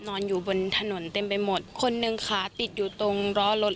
นอนอยู่บนถนนเต็มไปหมดคนหนึ่งขาติดอยู่ตรงล้อรถ